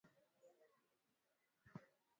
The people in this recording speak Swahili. Chakula cha mazao ya bahari ndio chakula kikuu